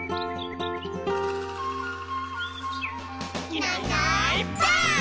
「いないいないばあっ！」